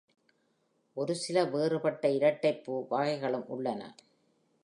ஒரு சில வேறுபட்ட இரட்டைப் பூ வகைகளும் உள்ளன.